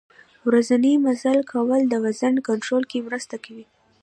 ورځنی مزل کول د وزن کنترول کې مرسته کوي.